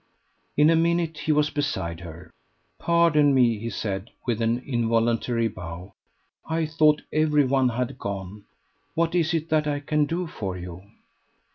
In a minute he was beside her. "Pardon me," he said, with an involuntary bow; "I thought everyone had gone. What is it that I can do for you?"